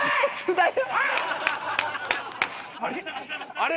あれ？